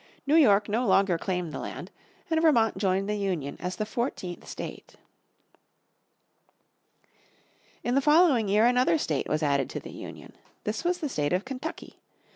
New York no longer claimed the land, and Vermont joined the Union as the fourteenth state. In the following year another state was added to the Union. This was the State of Kentucky.